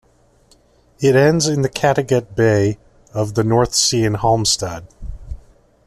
It ends in the Kattegat bay of the North Sea in Halmstad.